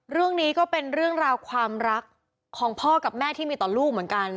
เรื่องนี้ก็เป็นเรื่องราวความรักของพ่อกับแม่ที่มีต่อลูกเหมือนกัน